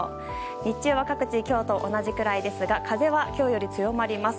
日中は各地今日と同じくらいですが風は今日より強まります。